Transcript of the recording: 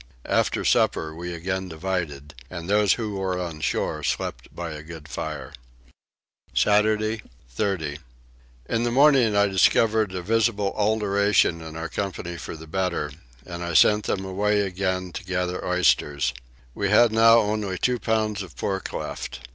After supper we again divided and those who were on shore slept by a good fire. Saturday 30. In the morning I discovered a visible alteration in our company for the better, and I sent them away again to gather oysters. We had now only two pounds of pork left.